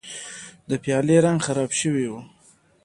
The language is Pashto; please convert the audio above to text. د پیالې رنګ خراب شوی و.